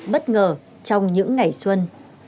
bất ngờ trong những ngày xuân